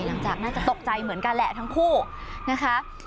น่าจะน่าจะตกใจเหมือนกันแหละทั้งคู่นะคะ